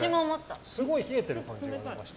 すごい冷えてる感じがして。